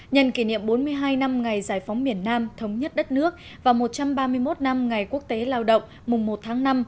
nhân kỷ niệm bốn mươi hai năm ngày giải phóng miền nam thống nhất đất nước và một trăm ba mươi một năm ngày quốc tế lao động mùng một tháng năm